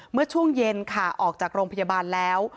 เมื่อช่วงเย็นค่ะออกจากโรงพยาบาลแล้ว